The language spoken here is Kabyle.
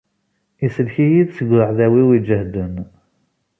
Isellek-iyi-d seg uɛdaw-iw iǧehden.